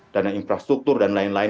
dana infrastruktur dan lain lain